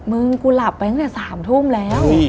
มึงกูหลับไปตั้งแต่๓ทุ่มแล้ว